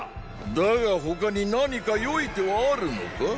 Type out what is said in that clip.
だが他に何か良い手はあるのか？